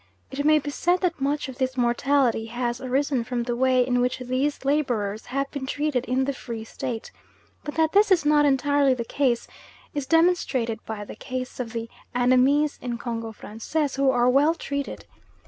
It may be said that much of this mortality has arisen from the way in which these labourers have been treated in the Free State, but that this is not entirely the case is demonstrated by the case of the Annamese in Congo Francais, who are well treated.